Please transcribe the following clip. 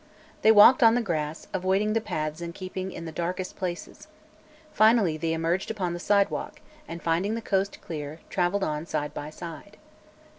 They walked on the grass, avoiding the paths and keeping in the darkest places. Finally they emerged upon the sidewalk, and finding the coast clear, traveled on side by side.